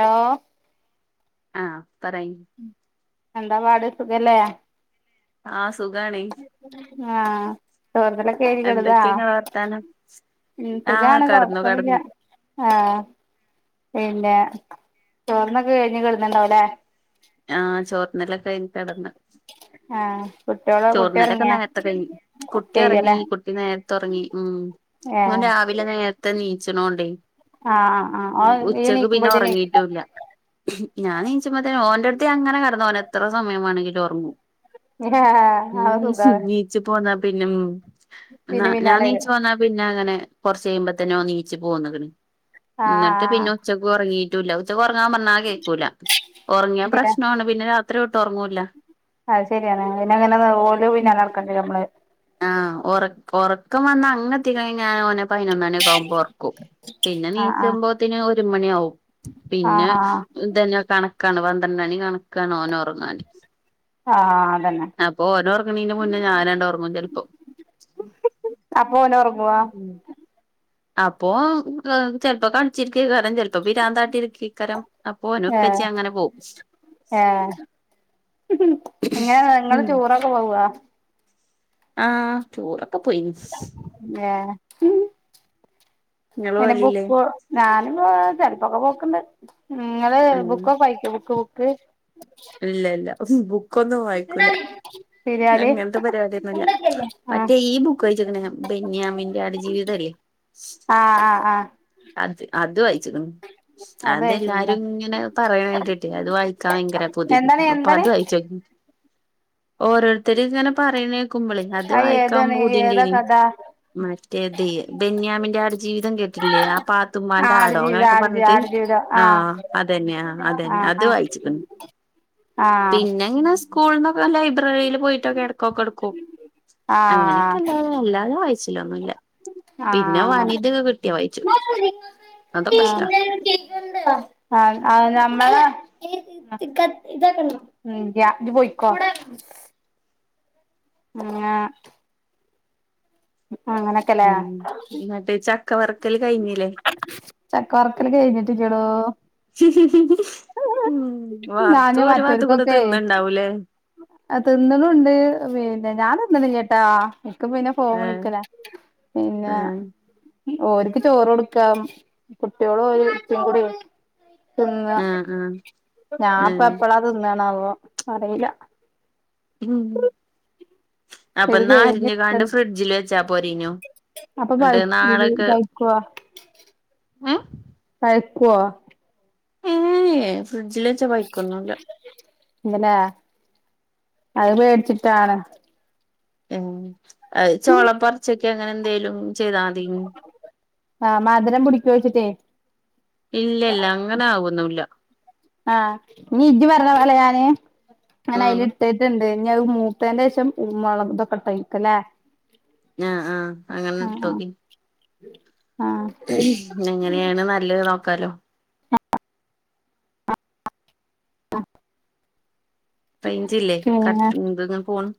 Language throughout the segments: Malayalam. ഓ ആഹ് പറയും എന്താ പാട് സുഖ ല്ലെ ആഹ് സുഖാണെ ആഹ് തോർ ദല് കേറി കിടന്നോ എന്തൊക്കെയാ ഇങ്ങളെ വർത്താനം ആഹ് സുഖാണ് കടന്നു കൊഴപ്പം ഒന്നും ഇല്ല കടന്നു ആഹ് പിന്നെ ചോറൂണൊക്കെ കഴിഞ്ഞ് കിടന്നിട്ടുണ്ടാവുമല്ലെ ആഹ് ചോറൂനെല്ലൊക്കെ കഴിഞ്ഞ് കിടന്ന് ആഹ് കുട്ടിയോള് കുട്ടി ചോറൂണലൊക്കെ ഉറങ്ങിയാ നേരത്തെ കഴിഞ്ഞു കുട്ടി ഉറങ്ങി കയ്യല്ലേ കുട്ടി നേരത്തെ ഉറങ്ങി ഉം മോൻ ഏഹ് രാവിലെ നേരത്തെ ണിച്ചണോണ്ടേ ആഹ് ആഹ് ഉ ഓൻ ഇയ്യ് ഉച്ചക്ക് പിന്നെ എണീക്കുമ്പോത്തിന് എണീക്കോ? ഉറങ്ങിട്ടുല്ല ഞാണിചമതേ ഓന്റെ അടുത്ത് അങ്ങനെ കിടന്നു ഓൻ എത്ര സമയം വേണമെങ്കിലും ഉറങ്ങും ഇഹ ഹ ണീച്ച പോന്നാ പിന്നെ പിന്നെ ഞാൻ പിന്നാലെ നീച്ച വരും പോന്ന പിന്നെ അങ്ങനെ കൊറച്ച് കഴിയുമ്പോ തന്നെ ഓനീച്ചു പോന്നു ങ്ങ്ട്ട് എന്നിട്ട് പിന്നെ ആഹ് ഉച്ചക്ക് ഉറങ്ങി പറ്റൂല്ല ഉച്ചക്ക് ഉറങ്ങാൻ പറഞ്ഞാൽ കേൾക്കൂല ഉറങ്ങിയാ എന്തിനാ പ്രശ്നമാണ് പിന്നെ രാത്രി ഒട്ടും ഉറങ്ങൂല അത് ശരിയാണ് പിന്നെയങ്ങനെ ഓലും പിന്നെ നടക്കണ്ട് വരുംനമ്മള് ആഹ് ഉറക്ക് ഉറക്കം വന്ന അങ്ങെത്തി കഴിഞ്ഞാ ഓനെ പതിനൊന്നു മണിക്കെ ആകുമ്പോ ഉറക്കും പിന്നെ ആഹ് ആഹ് ണീച്ചുമ്പോത്തിന് ഒരു മണി ആവും പിന്നെ ആഹ് ഇതന്നെ കണക്കാണ് പന്ത്രണ്ടണി കണക്കാണ് ഓനൊറങ്ങാന്. ആഹ് അതന്നെ അപ്പൊ ഓനൊറങ്ങ്ണീൻ്റെ മുന്നെ ഞാനാണ്ട് ഒറങ്ങും ചെൽ അപ്പോ ഓനൊറങ്ങുവോ? ഉം അപ്പൊ ചെൽപ്പോ കളിച്ചിരിക്കേകാരം ചെൽപ്പോ പിരാന്താട്ടിരിക്കേകാരം അപ്പോ ഓനു ഏഹ് ഇപ്പച്ചി അങ്ങനെ പോവും. ഏഹ് എങ്ങനെ നിങ്ങള് ഉം ടൂറൊക്കെ പോവോ? ആഹ്. ടൂറൊക്കെ പോയി. ഏഹ്. ഇങ്ങള് അയ്ന് പോവലില്ലേ ബുക്ക് ഞാനും ചെൽപ്പോക്കെ പോക്ക് ണ്ട്. ഇങ്ങള് ഉം ബുക്കൊക്കെ വായിക്കോ? ബുക്ക് ബുക്ക് ഇല്ല ല്ല. ബുക്കൊന്നും വായിക്കൂല. ഞാൻ സീരിയല് അങ്ങനത്തെ പരിപാടിയൊന്നുംല്ല. ആഹ് മറ്റേ ഈ ബുക്ക് വായിച്ച്ക്ണ് ഞാൻ ബെന്യാമിൻ്റെ ആട് ജീവിതംല്ലെ. ആഹ് ആഹ് ആഹ് അത് അത് വായിച്ച്ക്ണ്. അത് വായിച്ചിട്ടുണ്ടോ അതെല്ലാരും ഇങ്ങനെ പറയണെ കേട്ടിട്ടേ അത് വായിക്കാൻ ഭയങ്കര പൂതി. എന്താണ് അപ്പൊ എന്താണ് അത് വായിച്ചോ [unintelligible] ഓരോരുത്തരിങ്ങനെ പറയണേക്കുമ്പളേ അത് വായിക്കാൻ ഏതാണ് ഏതാ പൂതിണ്ടെനി. കഥ മറ്റേതെ ബെന്യാമിന്റെ ആട് ജീവിതം കേട്ടില്ലേ? ആ പാ മ്മാന്റെ ആടോ ആടുജീവിതം അങ്ങനെയൊക്കെ പറഞ്ഞിട്ട്. ആടുജീവിതം ആഹ് അതന്നെ ആഹ് ആടുജീവിതം അതന്നെ അത് ആഹ് വായിച്ച്ക്ക്ണ്. [unintelligible] ആഹ് പിന്നെ ഇങ്ങനെ സ്കൂൾന്നൊക്കെ ലൈബ്രറീല് പോയിട്ടൊക്കെ എടക്കൊക്കെ ഇട്ക്കും. അങ്ങനെക്കെ ആഹ് അല്ലാതെ അല്ലാതെ വായിച്ചലൊന്നുല്ല. ആഹ് പിന്നെ അങ്ങനെ വനിതൊക്കെ കിട്ടിയാ വായിച്ചും. ആഹ് നമ്മള ഇതൊ മ്മ് രാത്രി പോയിക്കോ [unintelligible] അങ്ങനെ മ്മ് ഇന്നട്ട് ചക്ക വറക്കല് കഴിഞ്ഞിലേ? ചക്ക വറ്ക്കല് കഴിഞ്ഞിട്ടില്ലെടോ. വർത്ത് ഒരു ഭാഗത്ത് കൂടെ തിന്ന് ണ്ടാവൂലേ? അഹ് തിന്നുണൂണ്ട് പിന്നെ ഞാൻ തിന്ന്ണില്ലട്ടാ. ഇൻക് പിന്ന ഫോൺ ഏഹ് വിളിക്കലാ. പിന്നെ ആഹ് ഓര്ക്ക് ചോറൊട് ക്കാം കുട്ട്യേള് ഓല് ഇപ്പിം കൂടിയേ തിന്നാ. ആഹ് ആഹ് ഞാപ്പ ആഹ് എപ്പളാ തിന്നാണാവോ അറീല്ല. ഉം അപ്പൊ ഇത് ന്നാ അരിഞ്ഞ് കാണ്ട് കഴിഞ്ഞിട്ട ഫ്രിഡ്ജിൽ വെച്ചാ പോരേന്യോ. അപ്പൊ പഴുക്കു പഴുക്കുവോ? ഏഹ്? പഴുക്കുവോ? ഏഹ് ഫ്രിഡ്ജിൽ വച്ച പയുക്കൊന്നുല്ല. ഇല്ല ലേ അത് പേടിച്ചിട്ടാണ്. ഏഹ്. അത് ചൊള പറിച്ചെക്കെ അങ്ങനെ എന്തേലും ചെയ്താ മതിയേന്ന്. ആഹ് മധുരം പിടിക്ക്വേ വെച്ചിട്ടേ. ഇല്ല ല്ല അങ്ങനാവൊന്നുല്ല. ആഹ് ഇഞ് ഇജ്ജ് പറഞ്ഞ പോലെ ഞാന് ഇങ്ങനെ അയിൽ ഉം ഇട്ടി ട്ട്ണ്ട്. ഇഞി അത് മൂത്തേൻ്റെഷം ഉം മൊള ഇതൊക്കയ്ട്ടക്കല്ലേ ആഹ് ആഹ് അങ്ങനെ ഇട്ടോക്കി. ഉം എങ്ങനെയാണ് നല്ലത് നോക്കാലോ ആഹ് റെയിഞ്ച് ഇല്ലേ കട്ട് ഇന്ത്ന്ന് പോന്ന്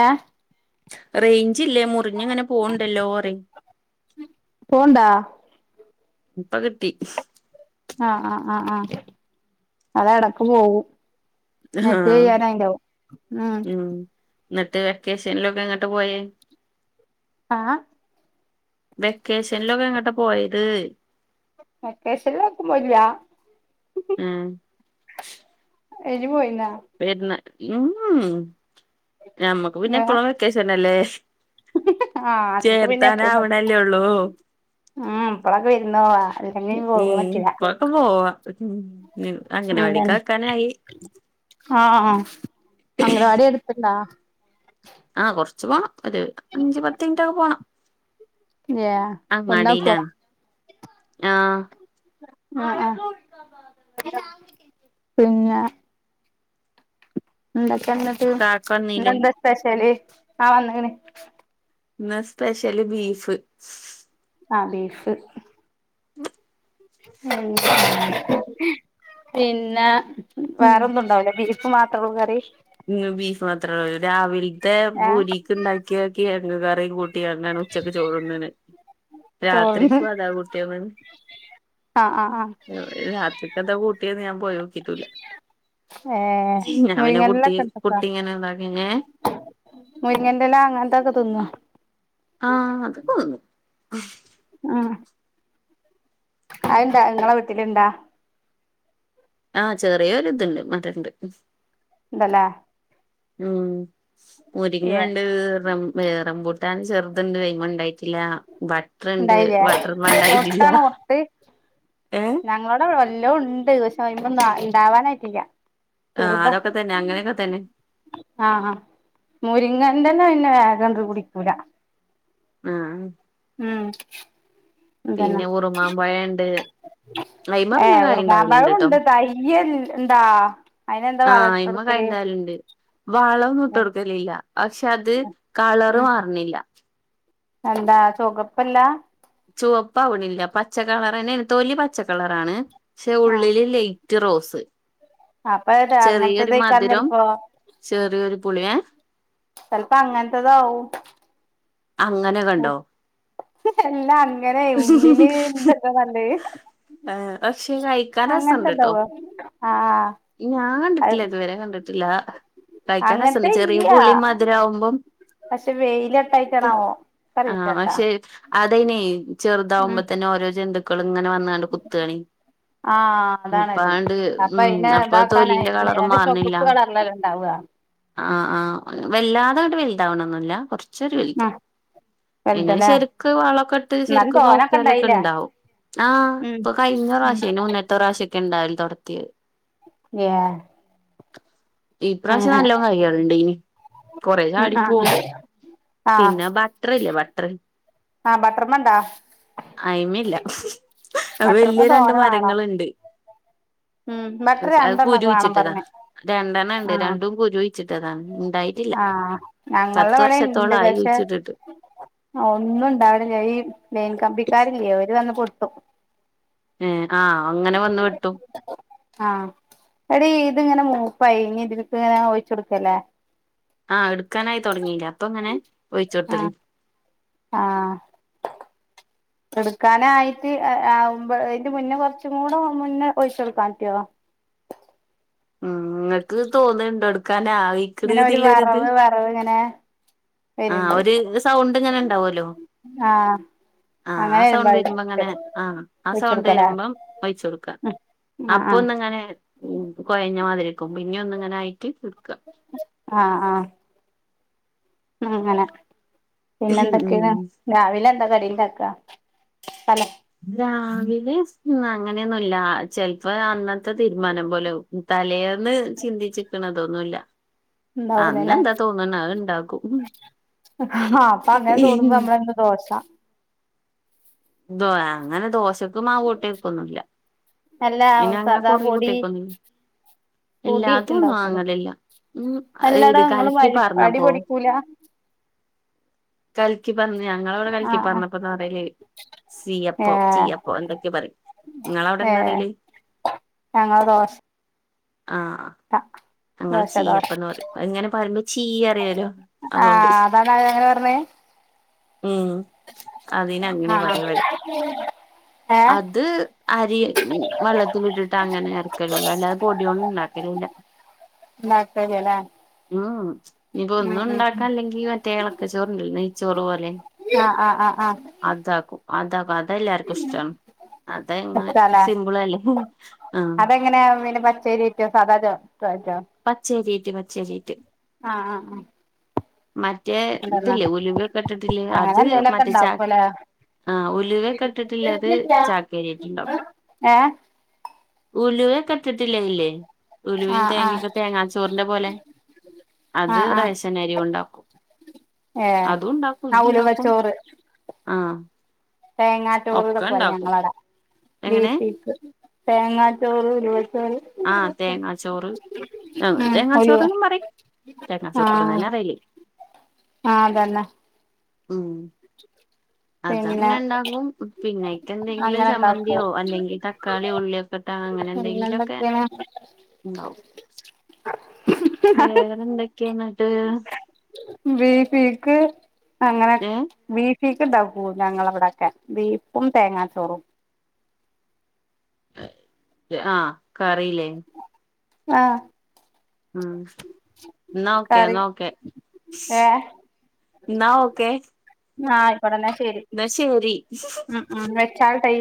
ഏഹ് റേയിഞ്ചില്ലേ മുറിഞ്ഞിങ്ങനെ പോവണ്ടല്ലോ പറെയ പോണ്ടാ ഇപ്പകിട്ടി ആഹ് ആഹ് ആഹ് ആഹ് അതെടക്ക് പോവും നെറ്റ് ആഹ് കയ്യാനായിണ്ടാവും ഉം ഇന്നട്ട് വെക്കേഷനിലൊക്കെ എങ്ങട്ട പോയേ? ആഹ്? വെക്കേഷനിലൊക്കെ എങ്ങട്ടാ പോയത് വെക്കേഷനിലെങ്ങും പോയില്ല ഉം എനി പോയിനാ വെരുന്ന മ്മ്ഉം നമ്മക്ക് പിന്നെ ആഹ് എപ്പോളും വെക്കേഷൻ അല്ലേ അനക്ക് പിന്നെ എപ്പളും ചേർത്താനാവണല്ലേയുള്ളൂ ഉം എപ്പളക്കു വിരുന്ന് പോകാ ഉം ഇപ്പൊക്കെ പോവാ അംഗനവാടിക്ക് അതാണ് ആക്കാനായി ആഹ് ആഹ് അംഗനവാടി അടുത്തിണ്ട ആഹ് കൊറച്ച് പോണം ഒരു അഞ്ചു പത്ത് മിനിറ്റൊക്കെ പോണം ഏഹ് കൊണ്ടാക്കോ അങ്ങാടിയിലാണ് ആഹ് ആഹ് ആഹ് പിന്ന എന്തൊക്കെന്നിട്ട് കാക്ക വന്നീല്ലേ ഇന്നെന്താ സ്പെഷ്യല് ആ വന്നിക്ക്ണ് ഇന്ന് സ്പെഷ്യല് ബീഫ് ആഹ് ബീഫ് [inaudible] ഉം പിന്ന ഉം വേറൊന്നും ഉണ്ടാവൂല ബീ ഫു മാത്രൂള്ളു കറി ഇന്ന് ബീഫ് മാത്ര ഉള്ളൂ രാവിൽത്തെ ഏഹ് ബൂരിക്കെ ഉണ്ടാക്കി ക്കിയാക്കി ആരുന്നു കറിയും കൂട്ടി അണ്ണന് ഉച്ചക്ക് ചോറുണ്ണന് ചോറിന് രാത്രിക്കും അതാ കൂട്ടിയത് ആഹ് ആഹ് ആഹ് രാത്രി ഇന്നെത്തെ കൂട്ടിയത് ഞാൻ പോയി നോക്കിയിട്ടുവില്ല ഏഹ് മുരിങ്ങേന്റില കുട്ടി കുട്ടി ഇങ്ങനെ ഇതാക്കി ഏഹ് [unintelligible] മുരിങ്ങന്റെ ഇല അങ്ങനത്തൊക്കെ തിന്നും ആഹ് അത് കൊന്നും ഉം അയ്ഇണ്ടാ ഇങ്ങടെ വീട്ടില് ഇണ്ടാ ആഹ് ചെറിയൊരിതുണ്ട് മധുരണ്ട് ഇണ്ടല്ലേ ഉം മുരിങ്ങ ഏഹ് ഇണ്ട് റം റംബൂട്ടാൻ ചെറുതിണ്ട് അയിമ്മേ ഉണ്ടായിട്ടില്ല. ബഡ് ഉണ്ടായില്ലേ ഒട്ടാണോ ഒർട്ട് ഏ ന ഇങ്ങളോടെ എല്ലാം ഉണ്ട് പക്ഷെ അയുമ്മെ ഒന്നും ഉണ്ടാവാനായിട്ടില്ല. ആഹ് അതൊക്കെ തന്നെ അങ്ങനെയൊക്കെ തന്നെ. ആഹ് മുരിങ്ങൻ്റെന് പിന്നെ വേഗങ്ങ് പിടിക്കൂല ആഹ് ഉം അതന്നെ പിന്നെ ഉറുമാൻ പഴംഇണ്ട് [inaudible] ഏഹ് ഉറങ്ങാമ്പഴം ഉണ്ട്. തൈയ്യിണ്ടാ? അതിനെന്താ വളം ഇട്ടു കൊടുക്കല്. വളം ഒന്നും ഇട്ട് കൊടുക്കലില്ല. പക്ഷെ അത് കളർ ഉം മാറണില്ല. എന്താ ചൊകപ്പല്ലാ. ചുവപ്പാവണില്ല പച്ചക്കളർ തന്നെയാണ് തൊലി പച്ചക്കളറാണ്. പക്ഷെ ആഹ് ഉള്ളില് ല്ലേ റ്റ് റോസ്. അപ്പൊ പറയട്ടെ അങ്ങനത്തെ ചെറിയൊരു ഇതായിക്കാനും മധുരം ചിലപ്പോ. ചെറിയൊരു പുളിയേ- ചെലപ്പ അങ്ങനത്തെതാവും. അങ്ങനെകണ്ടോ? എല്ലാ അങ്ങനെ ഉള്ളില് ഇണ്ടക്കെ കണ്ട് പക്ഷെ കഴിക്കാൻ അങ്ങനത്തെ രസണ്ട് ട്ടോ ഇതവോ ആഹ് ഞാൻ കണ്ടിട്ടില്ല അത് ഇതുവരെ കണ്ടിട്ടില്ല. കഴിക്കാൻ രസണ്ട് അങ്ങനത്തെ ചെറിയ ഇല്ല പുളീം മധുരം ആവുമ്പം- പക്ഷെ വെയിലട്ടായിട്ടാണാവോ ആഹ് അറിയില്ലട്ടാ ശെ അതയ്നെ- ചെറുതാവുമ്പോ തന്നെ ഓരോ ജന്തുക്കൾ ഇങ്ങനെ വന്ന്കണ്ട് കുത്ത്ണി- ആഹ് അപ്പ അതാണത് ആണ്ട് അപ്പൊ ഉം അയിനെ അപ്പൊ തൊലീന്റെ ഇതാക്കാനായിക്ക്ണ് കളറ് നല്ല മാറണില്ല. ചൊവപ്പ് കളറിലല്ലേ ഇണ്ടാവ ആഹ് ആഹ് വല്ലാതെ അങ്ങട് വലുതാവണൊന്നൂല്ല. കൊറ ച്ച് ഒരു വലുത്. ആഹ് പിന്നെ വലുതല്ലേ ശരിക്ക് വളൊക്കെ ഇട്ട് ശരി എന്നാലും ക്ക് തോനൊക്കെ നോക്കിയാലൊക്കെ ഇണ്ടായില്ലേ ഉണ്ടാവും. ആഹ് ഉം ഇപ്പൊ കഴിഞ്ഞ ഉം പ്രാവശ്യം അതിനു മുന്നത്തെ പ്രാവശ്യ ക്കെ ഇണ്ടായാൽ തൊടത്തേയ് ങ്ങ്യാ- ഈപ്രാവശ്യം നല്ല കായ്കളുണ്ടെ കൊറേ ഉം ചാടി ആഹ് പോവും. ആഹ് പിന്നെ ബട്ട്റ് ഇല്ലേ ബട്ടർ- ആഹ് ബട്ടർമ്മേ ഇണ്ടാ? അയിമ്മേ ഇല്ല അത് ബട്ടർമ്മ വല്യ രണ്ട് തോന വേണം മരങ്ങളുണ്ട്. ഉം ബട്ടർ അത് കുരു രണ്ടെണ്ണൊക്കെ വേണം കൂയിച്ചിട്ടതാ പറഞ്ഞ് രണ്ടെണ്ണം ഉണ്ട് ആഹ് രണ്ടും കുരു കുയിച്ചിട്ടതാണ് ഇണ്ടായി- ആഹ് ഞങ്ങളുടെവിടെ ഇണ്ട് ആയി പക്ഷെ- കുഴിച്ചിട്ടിട്ട് ആഹ് ഇന്നും ഒണ്ടാരുന്നില്ല ഈ ലൈൻ കമ്പിക്കാരില്ലേ അവര് വന്ന് പൊടുത്തും- ഏഹ് ആഹ് അങ്ങനെ വന്ന് വെട്ടും- ആഹ് - എടി ഇത് ഇങ്ങനെ മൂപ്പായി ഇനി ഇതിക്ക് ഇങ്ങനെ ഒഴിച്ച കൊടുക്കല്ലേ- ആഹ് എടുക്കാനായി തുടങ്ങിയില്ലേ അപ്പ അങ്ങനെ ഒഴിച്ചു കൊടുത്തല്- ആഹ് - എടുക്കാനായിട്ട് ആഹ് അതിന്റെ മുന്നേ കൊറച്ചും കൂടെ മുന്നേ ഒഴിച്ചെടുക്കാൻ പറ്റോ? ഉം നിങ്ങക്ക് തോന്നുന്നുണ്ടോടുക്കാനായി- ഇങ്ങനെ ഒരു വറവ് വറവ് ഇങ്ങനെ ആഹ് വരുണ്ട് ഒരു ഇന്ന് സൗണ്ട് ഇങ്ങനെ ഉണ്ടാവല്ലോ- ആഹ് - ആഹ് ആഹ് സൗണ്ട് വരുമ്പോ അങ്ങനെ ആഹ് ആ സൗണ്ട് ഒഴിച്ചെടുക്കലാ വരുമ്പം ഒഴിച്ച് കൊടുക്കാ- ആഹ് അപ്പൊ ആഹ് ഒന്നിങ്ങനെ ഉം കൊഴഞ്ഞ മാതിരിക്കും പിന്നെ ഒന്ന ഇങ്ങനായിട്ട് ഇട്ക്കാം- ആഹ് ആഹ് - ഉം അങ്ങനെ ഉം പിന്നെന്തൊക്കെയണ്- രാവില എന്താ കടിണ്ടക്കാ പല- രാവിലെ മ് അങ്ങനെയൊന്നുമല്ല- ചെലപ്പോ അന്നത്തെ തീരുമാനം പോലെ തലേന്ന് ചിന്തിച്ചിക്കണതൊന്നുല്ല- ഉണ്ടാവൂലല്ലേ അന്നെന്താ തോന്ന്ണേ അത് ഇണ്ടാക്കും- ആഹ് അപ്പൊ അങ്ങനെ തോന്നുമ്പോ നമ്മളെന്നും ദോശ- ദോ അങ്ങനെ ദോശക്ക് മാവ് കൂട്ടിവെപ്പൊന്നുല്ല- അല്ല ഇനി അങ്ങനെ സാദാ കൊറി പൊടി കുട്ടിയപ്പ്- ഇല്ലാതും പൊടിയിട്ടുണ്ടാക്കൂലേ വാങ്ങലില്ല ഉം അല്ലടാ ഏത് നിങ്ങള് കലക്കി വഴി അടി പറഞ്ഞപ്പോ- പൊടിക്കൂല കലക്കി പറഞ്ഞു ഞങ്ങളവിടെ കലി ആഹ് ആഹ് പറഞ്ഞപ്പം എന്നാ പറയല്ല്- സീ അപ്പോ ഏഹ് ചീയപ്പോ എന്തൊക്കെ പറയും നിങ്ങളവിടെ എന്താ പറേല്- ഞങ്ങള ദോശ ആഹ് ആഹ് അങ്ങൾ ചീ അപ്പന്ന് പറയും ഇങ്ങനെ പറയുംപോ ചെയ്യും അറിയല്ലോ അതുകൊണ്ട് ആഹ് അതാണ് അങ്ങനെ പറഞ്ഞേ ഉം അതിനങ്ങനെ ആഹ് പറയും ഇവിടെ ഏഹ് അത് അരി വെള്ളത്തിലിട്ടിട്ട് അങ്ങനെ ഇറക്കലുള്ളു അല്ലാതെ പൊടിയോന്നും ഉണ്ടാക്കലില്ല വാഴത്തൊലി അല്ലേ ഉം ഇനിപ്പൊ ഒന്നും ഉണ്ടാക്കൻ ഉം അല്ലെങ്കി മറ്റേ ഏളക്ക ചോറണ്ടല്ലോ നെയ്യ് ചോറ് പോലെ- ആഹ് ആ ആഹ് ആ അതാക്കും അതാക്കും അതാ എല്ലാർക്കും ഇഷ്ടം അതങ്ങെ ഇഷ്ടാല്ലേ സിമ്പിളല്ലേ ആഹ് അതെങ്ങനെ പിന്നെ പച്ചരിറ്റോ സാധാ ജ [unintelligible] പച്ചേരിറ്റ് പച്ചേരിറ്റ് ആഹ് ആ ആ മറ്റേ ഇതല്ലേ ഉലുകൊക്കെ ഇട്ടിട്ടില്ലേ അങ്ങനെ അത് എന്തേലൊക്കെ മറ്റേ ചാ ഇണ്ടാക്കുല്ലേ ആഹ് ഉലുവക്കെ ഇട്ടിട്ടില്ലേത് ചാക്കേരിട്ടുണ്ടാക്കും ഏഹ് ഉലുവേക്കിട്ടിട്ടില്ലേ ഇത്ല് ഉലുവേൻ ആഹ് ആഹ് തേങ്ങേംക തേങ്ങാച്ചോറിന്റെ പോലെ അത് ആഹ് ആഹ് റേശൻരി ഉണ്ടാക്കും ഏഹ് അത്ണ്ടാക്കും ആഹ് ഇത്ണ്ടാക്കും ഉലുവച്ചോറ് ആഹ് തേങ്ങാറ്റോറ് ഇതൊക്കെ പറ ഞങ്ങളവിട എങ്ങനെ വീട്ടീക്ക് തേങ്ങാ ചോറ് ഉലുവച്ചോറ് ആഹ തേങ്ങാച്ചോറ് ങ്ങ ഉം ഉലുവ തേങ്ങാച്ചോറന്നും പറയും തേങ്ങാ ചോറ്ന്ന്ന്നെ ആഹ് പറേയെല് ആഹ് അതന്ന പിന്നെ അതങ്ങനെണ്ടാകുമ്പോ പിന്നെ എന്തെങ്കിലും അങ്ങനെ ഉണ്ടാക്കും ചമ്മന്തിയോ അല്ലെങ്കി തക്കാളിയോ ഉള്ളിക്ക ഇപ്പത്ത അങ്ങനെന്തെങ്കിലൊക്കെ പിന്നെന്തൊക്കെയാണ് വേറെന്തെക്കെയാന്നിട്ട് വേറേക്ക അങ്ങനെ ഏ [unintelligible] ഞങ്ങളവിടൊക്കെ ബീഫും തേങ്ങാച്ചോറും ആഹ് കറില്ലേ ആഹ് ആഹ് ന്നോക്കെ കറി ന്നോക്കെ ഏഹ് എന്നാ ഓക്കെ ആഹ് ഇവടന്നെ ശരി എന്നാ ശരി മ്മ്ഹ് മ്മ്ഹ് വെച്ചാൽട്ടേ